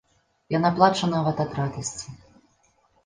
Яна плача нават ад радасці.